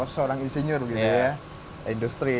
seorang insinyur gitu ya industri